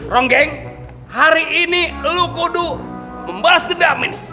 ronggeng hari ini lo kudu membalas dendam ini